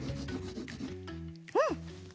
うん！